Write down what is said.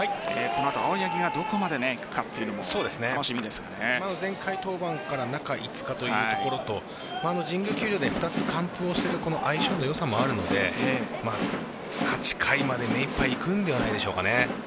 この後、青柳がどこまでいくかというのも前回登板から中５日というところと神宮球場で２つ完封をしている相性の良さもあるので８回までめいっぱいいくんではないでしょうかね。